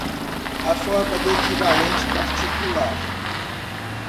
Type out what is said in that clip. A forma de equivalente particular